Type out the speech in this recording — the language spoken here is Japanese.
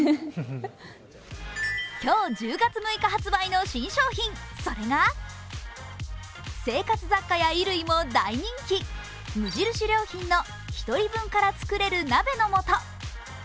今日１０月６日発売の新商品、それが生活雑貨屋衣類も大人気無印良品のひとり分から作れる鍋の素。